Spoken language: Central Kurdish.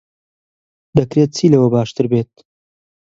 دەکرێت چی لەوە باشتر بێت؟